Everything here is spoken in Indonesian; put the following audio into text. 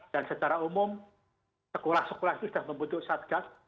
dan secara umum sekolah sekolah sudah membentuk satgas